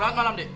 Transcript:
selamat malam d